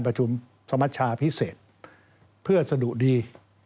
ประชุมสมัชชาพิเศษเพื่อสะดุดี